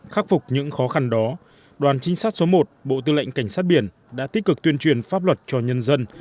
khắc phục những khó khăn đó đoàn trinh sát số một bộ tư lệnh cảnh sát biển đã tích cực tuyên truyền pháp luật cho nhân dân